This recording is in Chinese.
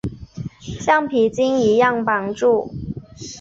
橡皮筋一样绑住